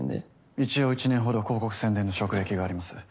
一応１年ほど広告宣伝の職歴があります。